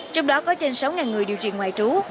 trong đó có trên sáu người điều truyền ngoại trú